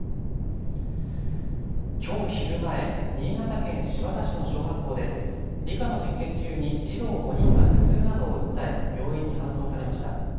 きょう昼前、新潟県新発田市の小学校で理科の実験中に児童５人が頭痛などを訴え病院に搬送されました。